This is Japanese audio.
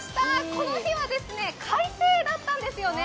この日は快晴だったんですよね。